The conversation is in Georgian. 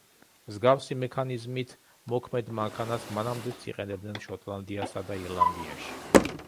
მსგავსი მექანიზმით მოქმედ მანქანას მანამდეც იყენებდნენ შოტლანდიასა და ირლანდიაში.